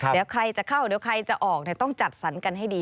เดี๋ยวใครจะเข้าเดี๋ยวใครจะออกต้องจัดสรรกันให้ดี